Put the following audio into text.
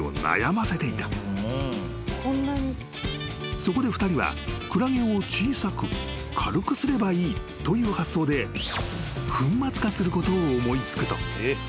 ［そこで２人はクラゲを小さく軽くすればいいという発想で粉末化することを思い付くと］